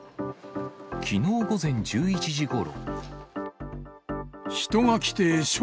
きのう午前１１時ごろ。